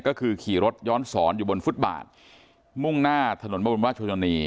ก็คือขี่รถย้อนสอนอยู่บนฟุตบาทมุ่งหน้าถนนบรมราชชนนี